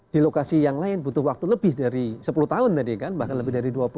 di lokasi yang lain butuh waktu lebih dari sepuluh tahun tadi kan bahkan lebih dari dua puluh tahun